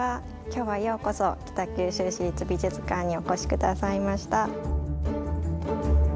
今日はようこそ北九州市立美術館にお越し下さいました。